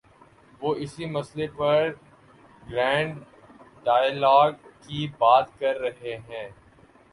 وہ اسی مسئلے پر گرینڈ ڈائیلاگ کی بات کر رہے ہیں۔